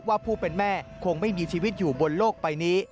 ผู้เป็นแม่คงไม่มีชีวิตอยู่บนโลกใบนี้